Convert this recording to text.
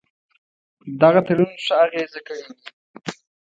دغه تړون ښه اغېزه کړې وي.